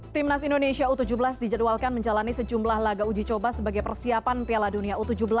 timnas indonesia u tujuh belas dijadwalkan menjalani sejumlah laga uji coba sebagai persiapan piala dunia u tujuh belas